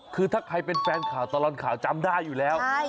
คือถ้าใครเป็นแฟนข่าวตลอดข่าวจำได้อยู่แล้ว